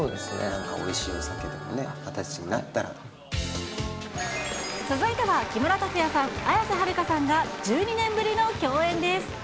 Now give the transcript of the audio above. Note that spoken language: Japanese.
なんかおいしいお酒とかね、続いては木村拓哉さん、綾瀬はるかさんが１２年ぶりの共演です。